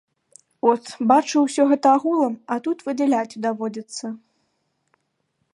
От, бачыў усё гэта агулам, а тут выдзяляць даводзіцца.